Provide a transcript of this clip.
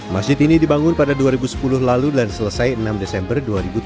masjid ini dibangun pada dua ribu sepuluh lalu dan selesai enam desember dua ribu tujuh belas